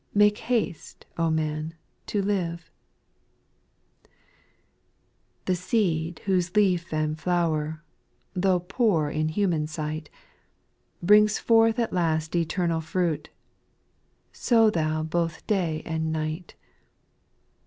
Make haste, O man, to live ! 6. The seed whose leaf and flower, Tho' poor in human sight, Brings forth at last eternal fruit. Sow thou both day and night.